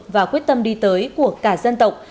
và quyết tâm đi tới của cả dân tộc